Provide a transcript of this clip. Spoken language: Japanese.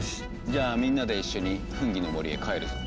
じゃあみんなで一緒にフンギの森へ帰るぞ。